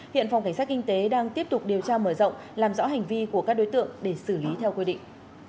hiện phòng cảnh sát kinh tế đang tiếp tục điều tra mở rộng làm rõ hành vi của các đối tượng để xử lý theo quy định